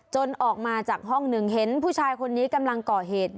ออกมาจากห้องหนึ่งเห็นผู้ชายคนนี้กำลังก่อเหตุ